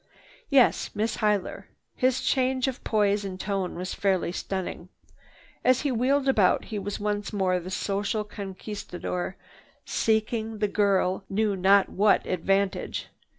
"Yes, Miss Huyler." His change of poise and tone was fairly stunning. As he wheeled about he was once more the social conquistador, seeking, the girl knew not what advantage.